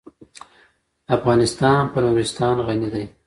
افغانستان په نورستان غني دی.